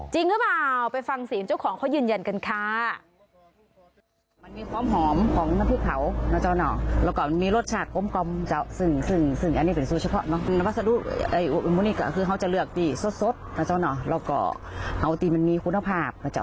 จริงหรือเปล่าไปฟังเสียงเจ้าของเขายืนยันกันค่ะ